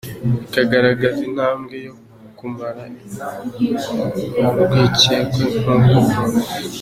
bikagaragaza intambwe yo kumara urwikekwe, nk’uko Prof.